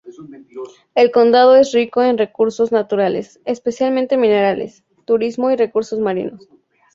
El condado es rico en recursos naturales, especialmente minerales, turismo y recursos marinos.